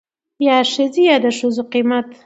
يا ښځې يا دښځو قيمت.